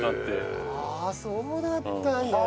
ああそうだったんだ。